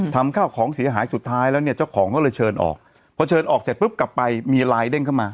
ทำข้าวของเสียหายสุดท้ายแล้วเนี่ยเจ้าของก็เลยเชิญออกพอเชิญออกเสร็จปุ๊บกลับไปมีไลน์เด้งเข้ามา